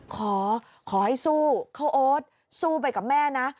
ขอให้สู้ข้าวโอ๊ตสู้ไปกับแม่นะ